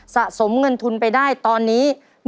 สะสมเงินทุนไปได้ตอนนี้